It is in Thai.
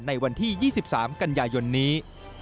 ในวันที่๒๓กันยายนนี้